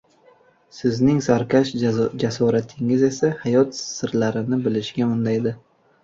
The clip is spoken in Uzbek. Sizning sarkash jasoratingiz esa hayot sirlarini bilishga undaydi”.